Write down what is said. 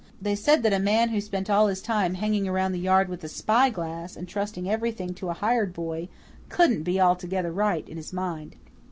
They said that a man who spent all his time hanging around the yard with a spyglass, and trusting everything to a hired boy, couldn't be altogether right in his mind.